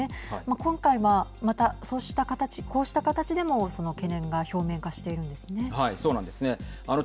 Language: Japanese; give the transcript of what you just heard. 今回は、またこうした形でもその懸念が表面化しているんですね。